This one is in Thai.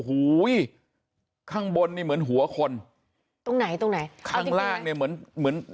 หูยข้างบนนี่เหมือนหัวคนตรงไหนตรงไหนข้างล่างเนี่ยเหมือนเหมือน